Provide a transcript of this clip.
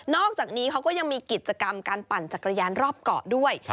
อกจากนี้เขาก็ยังมีกิจกรรมการปั่นจักรยานรอบเกาะด้วย